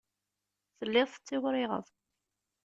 Telliḍ tettiwriɣeḍ.